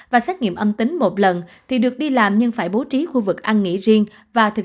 và xét nghiệm âm tính một lần thì được đi làm nhưng phải bố trí khu vực ăn nghỉ riêng và thực